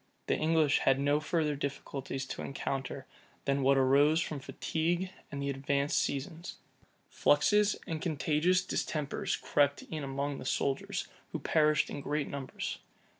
The English had no further difficulties to encounter than what arose from fatigue and the advanced season. Fluxes and contagious distempers crept in among the soldiers, who perished in great numbers.